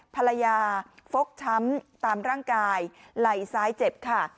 ฟกช้ำตามร่างกายไหล่ซ้ายเจ็บค่ะ